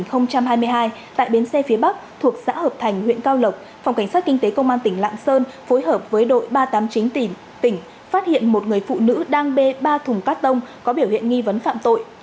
năm hai nghìn hai mươi hai tại bến xe phía bắc thuộc xã hợp thành huyện cao lộc phòng cảnh sát kinh tế công an tỉnh lạng sơn phối hợp với đội ba trăm tám mươi chín tỉnh phát hiện một người phụ nữ đang bê ba thùng cát tông có biểu hiện nghi vấn phạm tội